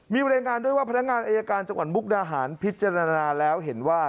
มีรายงานด้วยว่าพนักงานอายการจังหวัดมุกดาหารพิจารณาแล้วเห็นว่า